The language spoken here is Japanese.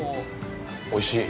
おいしい！